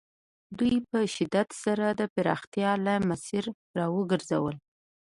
دوی په شدت سره د پراختیا له مسیره را وګرځول.